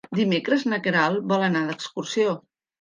Dimecres na Queralt vol anar d'excursió.